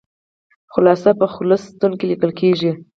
خلاصه په خلص ستون کې لیکل کیږي.